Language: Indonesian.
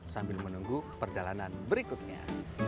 sambil menunggu perjalanan berikutnya